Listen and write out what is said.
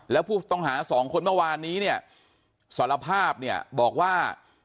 แล้วผู้ต้องหาสองคนเมื่อวานนี้เนี่ยสารภาพเนี่ยบอกว่า